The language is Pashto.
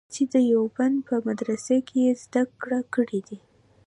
چې د دیوبند په مدرسه کې یې زده کړې کړې دي.